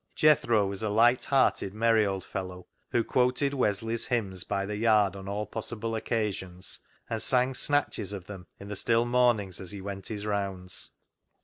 Jethro was a light hearted, merry old fellow, who quoted Wesley's hymns by the yard on • all possible occasions, and sang snatches of them in the still mornings as he went his rounds.